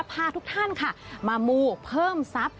พาทุกท่านค่ะมามูเพิ่มทรัพย์